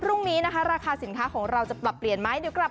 พรุ่งนี้นะคะราคาสินค้าของเราจะปรับเปลี่ยนไหมเดี๋ยวกลับ